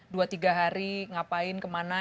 dua tiga hari ngapain kemana